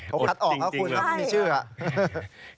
ผมคัดออกครับคุณมีชื่ออ่ะ